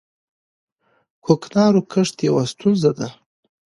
د کوکنارو کښت یوه ستونزه ده